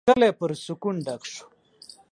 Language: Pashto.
کلی پر سکون ډک شو.